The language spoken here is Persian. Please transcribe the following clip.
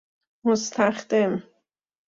مستخدم